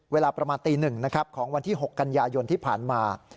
เวลาประมาณตี๑นะครับของวันที่๖กันยายนที่ผ่านมา